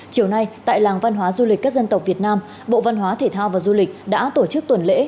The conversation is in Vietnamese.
chiều nay tại làng văn hóa du lịch các dân tộc việt nam bộ văn hóa thể thao và du lịch đã tổ chức tuần lễ